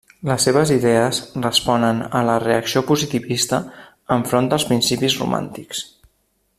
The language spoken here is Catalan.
Les seves idees responen a la reacció positivista enfront dels principis romàntics.